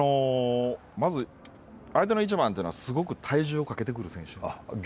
まず相手の１番というのはすごく体重をかけてくる選手。